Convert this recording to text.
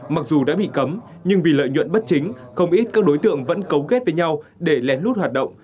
mặc dù đã bị cấm nhưng vì lợi nhuận bất chính không ít các đối tượng vẫn cấu kết với nhau để lén lút hoạt động